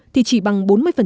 thì chỉ bằng bốn mươi